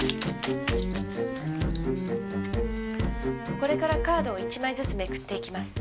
これからカードを１枚ずつめくっていきます。